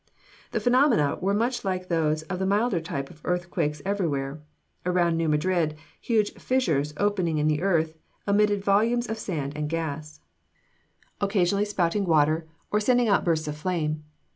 The phenomena were much like those of the milder type of earthquakes everywhere. Around New Madrid huge fissures opening in the earth emitted volumes of sand and gas, occasionally spouting water, or sending out bursts of flame.